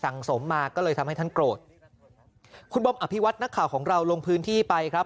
สมมาก็เลยทำให้ท่านโกรธคุณบอมอภิวัตนักข่าวของเราลงพื้นที่ไปครับ